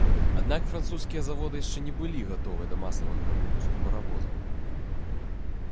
Аднак французскія заводы яшчэ не былі гатовыя да масавага выпуску паравозаў.